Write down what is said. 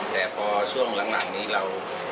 แต่พอช่วงหลังนี้เรา